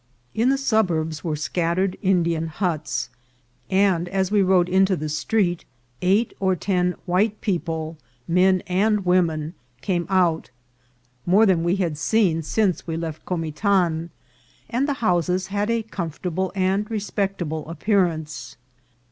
In the suburbs were scattered Indian huts ; and as we rode into the street, eight or ten white people, men and women, came out, more than we had seen since we left Comitan, and the houses had a comfortable and respectable appear ance.